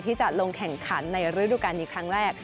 ที่จะลงแข่งขันในฤดูการนี้ครั้งแรก